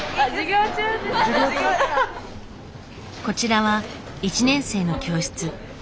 こちらは１年生の教室。